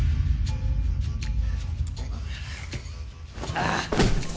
ああ！